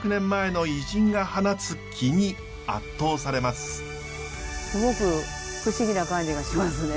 すごく不思議な感じがしますね。